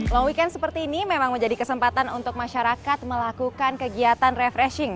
long weekend seperti ini memang menjadi kesempatan untuk masyarakat melakukan kegiatan refreshing